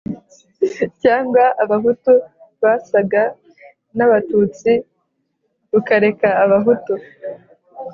cyangwa abahutu basaga n'abatutsi rukareka abahutu